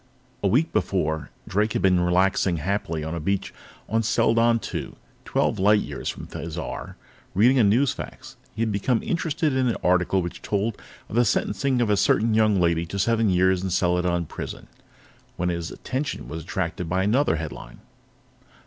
A week before, Drake had been relaxing happily on a beach on Seladon II, twelve light years from Thizar, reading a newsfax. He had become interested in an article which told of the sentencing of a certain lady to seven years in Seladon Prison, when his attention was attracted by another headline.